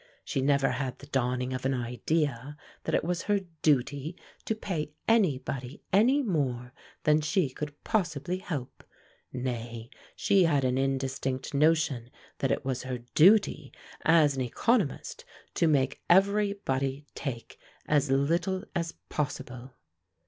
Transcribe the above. She never had the dawning of an idea that it was her duty to pay any body any more than she could possibly help; nay, she had an indistinct notion that it was her duty as an economist to make every body take as little as possible.